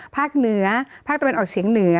ภาคเหนือภาคตะวันออกเฉียงเหนือ